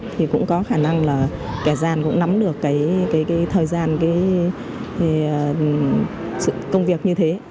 thì cũng có khả năng là kẻ gian cũng nắm được thời gian công việc như thế